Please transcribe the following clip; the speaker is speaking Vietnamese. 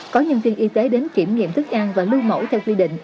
có nhân viên y tế đến kiểm nghiệm thức ăn và lưu mẫu theo quy định